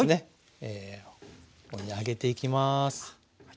ここに上げていきます。